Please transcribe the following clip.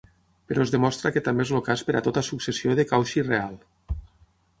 Però es demostra que també és el cas per a tota successió de Cauchy real.